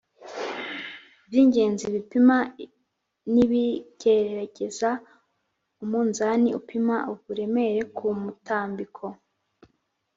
ibyingenzi bipima n’ibigerageza:-umunzani upima uburemere ku mutambiko